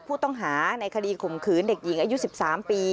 ผู้ต้องหาในคดีข่มขืนเด็กหญิงอายุ๑๓ปี